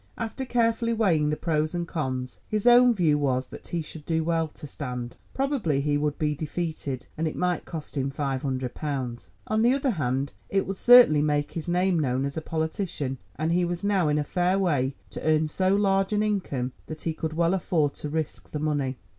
After carefully weighing the pros and cons, his own view was that he should do well to stand. Probably he would be defeated, and it might cost him five hundred pounds. On the other hand it would certainly make his name known as a politician, and he was now in a fair way to earn so large an income that he could well afford to risk the money.